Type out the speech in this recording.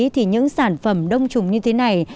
thì những sản phẩm đông trùng như thế này